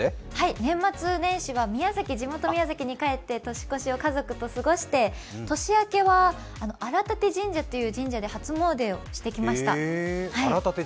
年末年始は地元・宮崎に帰って年越しを家族と過ごして、年明けはあらたて神社に初詣をしてきました。